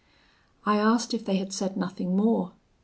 I asked if they had said nothing more.